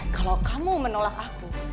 kalau kamu menolak aku